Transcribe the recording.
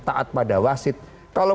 taat pada wasit kalau